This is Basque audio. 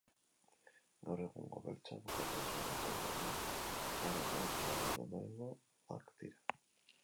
Gaur egungo beltzak kotoi soroetan lanean ziharduten esklaboen ondorengoak dira.